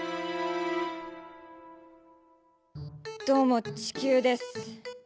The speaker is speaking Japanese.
どうも地球です。